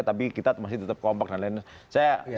tapi kita masih tetap kompak dan lain lain